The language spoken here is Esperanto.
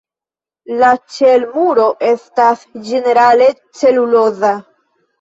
La ĉelmuro estas ĝenerale celuloza.